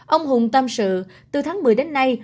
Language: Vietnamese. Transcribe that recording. ông hùng tâm sự từ tháng một mươi đến nay